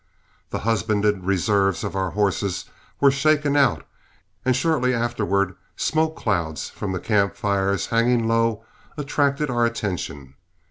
The husbanded reserves of our horses were shaken out, and shortly afterward smoke clouds from camp fires, hanging low, attracted our attention.